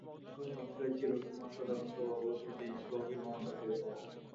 তাঁর কথাবার্তায় চিরকুমার সুধাকান্তবাবুর প্রতি গভীর মমতা টের পাওয়া যায়।